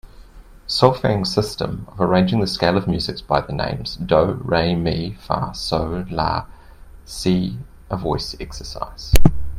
Solfaing system of arranging the scale of music by the names do, re, mi, fa, sol, la, si a voice exercise.